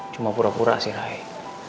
cuma pura pura sih naik